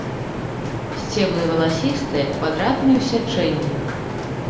Сцеблы валасістыя, квадратныя ў сячэнні.